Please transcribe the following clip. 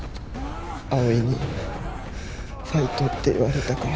葵に「ファイト」って言われたから。